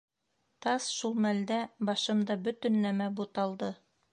Тас шул мәлдә башымда бөтөн нәмә буталды.